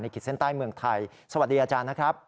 ในกิจเซ็นต์ใต้เมืองไทยสวัสดีอาจารย์นะครับ